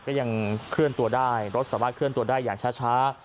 ก็ยังเคลื่อนตัวได้รถสามารถเคลื่อนตัวได้อย่างช้า